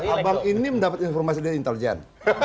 abang ini mendapat informasi dari intelijen